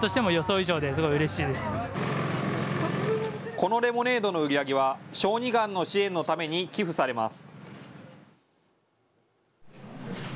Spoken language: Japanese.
このレモネードの売り上げは小児がんの支援ために寄付されます。